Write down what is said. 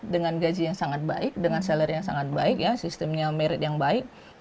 dengan gaji yang sangat baik dengan seller yang sangat baik ya sistemnya merit yang baik